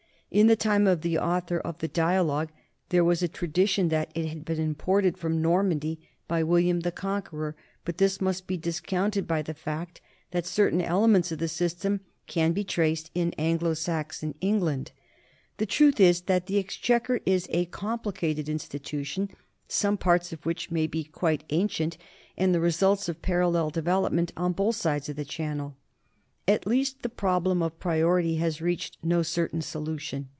In the time of the author of the Dialogue there was a tradition that it had been imported from Normandy by William the Conqueror, but this must be discounted by the fact that certain elements of the system can be traced in Anglo Saxon England. The truth is that the exchequer is a compli cated institution, some parts of which may be quite ancient and the results of parallel development on both sides of the Channel; at least the problem of priority has reached no certain solution.